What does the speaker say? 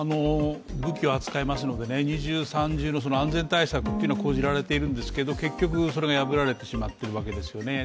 武器を扱いますので二重、三重の安全対策っていうのは講じられているんですけど結局それが破られてしまってるわけですよね。